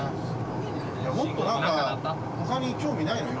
もっと何か他に興味ないの？